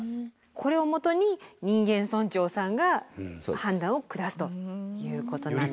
これを基に人間村長さんが判断を下すということになる。